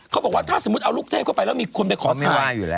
เขาบอกว่าถ้าสมมุติเอาลูกเทพเข้าไปแล้วมีคนไปขอทาน